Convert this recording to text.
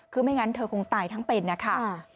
คือไม่งั้นเธอคงตายทั้งเป็นนะคะ